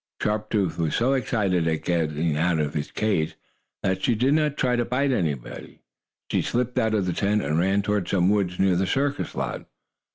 Sharp Tooth was so excited at getting out of the cage, that she did not try to bite anybody. She slipped out of the tent, and ran toward some woods near the circus lot.